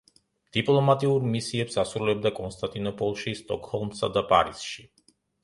დიპლომატიურ მისიებს ასრულებდა კონსტანტინოპოლში, სტოკჰოლმსა და პარიზში.